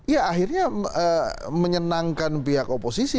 ya akhirnya menyenangkan pihak oposisi